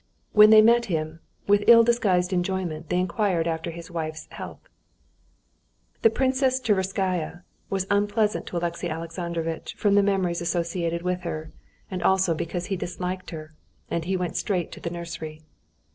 When they met him, with ill disguised enjoyment they inquired after his wife's health. The presence of Princess Tverskaya was unpleasant to Alexey Alexandrovitch from the memories associated with her, and also because he disliked her, and he went straight to the nursery.